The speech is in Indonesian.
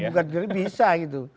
kalau dibuat goreng bisa gitu